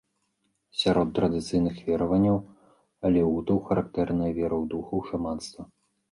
Сярод традыцыйных вераванняў алеутаў характэрныя вера ў духаў, шаманства.